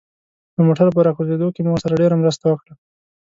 له موټره په راکوزېدو کې مو ورسره ډېره مرسته وکړه.